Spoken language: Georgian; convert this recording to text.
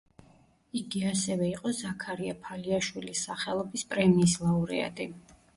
იგი ასევე იყო ზაქარია ფალიაშვილის სახელობის პრემიის ლაურეატი.